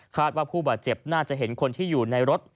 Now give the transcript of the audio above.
ว่าผู้บาดเจ็บน่าจะเห็นคนที่อยู่ในรถ